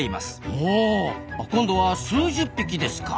ほう今度は数十匹ですか。